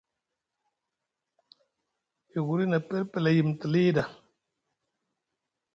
Yuguri na pelpel a yimiti lii ɗa.